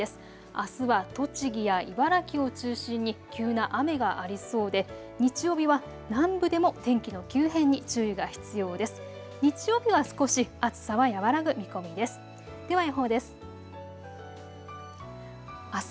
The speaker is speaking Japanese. あすは栃木や茨城を中心に急な雨がありそうで日曜日は南部でも天気の急変に注意が必要です。